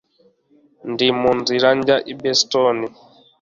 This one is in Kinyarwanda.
Ndi mu nzira njya i Boston